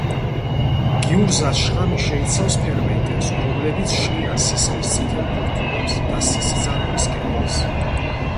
გიურზას შხამი შეიცავს ფერმენტებს, რომლებიც შლიან სისხლის წითელ ბურთულებს და სისხლძარღვის კედელს.